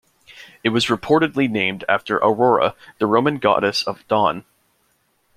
It was reportedly named after Aurora, the Roman goddess of dawn.